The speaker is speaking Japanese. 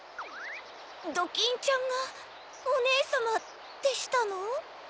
ドキンちゃんがおねえさまでしたの？